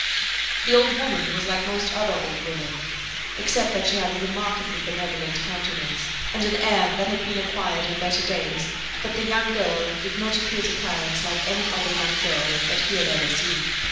The old woman was like most other old women, except that she had a remarkably benevolent countenance, and an air that had been acquired in better days; but the young girl did not appear to Clarence like any other young girl that he had ever seen.